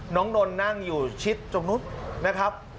นนท์นั่งอยู่ชิดตรงนู้นนะครับ